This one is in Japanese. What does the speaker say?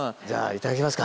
いただきます。